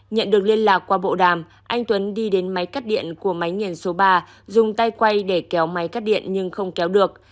nhận được liên lạc qua bộ đàm anh tuấn đi đến máy cắt điện của máy nghiền số ba dùng tay quay để kéo máy cắt điện nhưng không kéo được